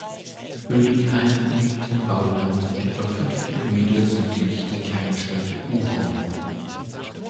Bödigheim liegt im Bauland, etwa fünf Kilometer südlich der Kernstadt Buchen.